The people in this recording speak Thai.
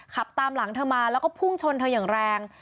ขับตามหลังเธอมาแล้วก็พุ่งชนเธออย่างแรง